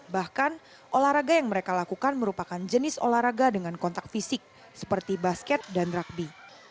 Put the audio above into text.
bahkan olahraga yang mereka lakukan merupakan jenis olahraga dengan kontak fisik seperti basket dan rugby